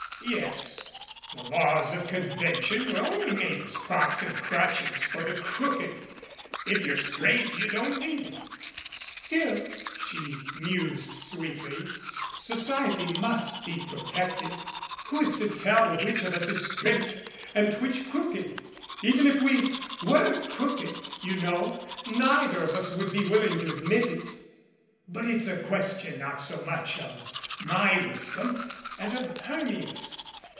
"Yes. The laws of convention were only made as props and crutches for the crooked. If you're straight, you don't need 'em." "Still," she mused sweetly, "society must be protected. Who is to tell which of us is straight and which crooked? 259 MADCAP Even if we were crooked, you know, neither of us would be willing to admit it." "But it's a question not so much of my wisdom as of Hermia's.